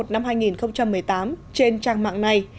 năm hai nghìn một mươi tám trên trang mạng này